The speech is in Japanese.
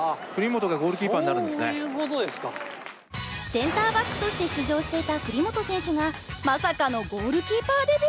センターバックとして出場していた栗本選手がまさかのゴールキーパーデビュー。